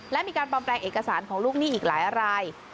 และมีการปลอมแปลงเอกสารของลูกหนี้อีกหลายราย